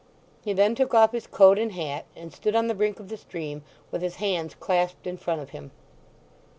He then took off his coat and hat, and stood on the brink of the stream with his hands clasped in front of him.